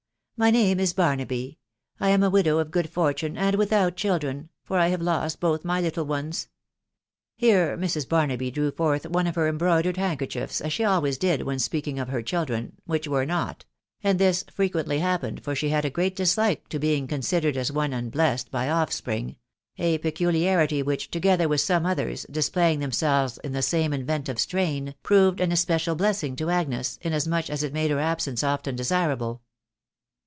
My name is Barnaby .... I am a widow of good fortune, and without children •... for I have lost bqth my little ones !" Here Mrs. Barnaby drew forth one of her em broidered handkerchiefs, as she always did when speaking of her children "which were not;" and this frequently hap pened, for she had a great dislike to being considered as one unblessed by offspring, — a peculiarity which, together with some others, displaying themselves in the same inventive strain, proved an especial blessing to Agnes, inasmuch as it made her absence often desirable.